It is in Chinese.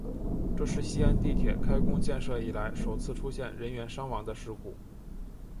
这是西安地铁开工建设以来首次出现人员伤亡的事故。